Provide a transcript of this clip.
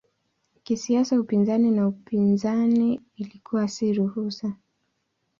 Kisiasa upinzani na upinzani ilikuwa si ruhusa.